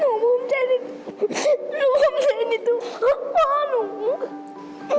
หนูภูมิใจในตัวพ่อหนู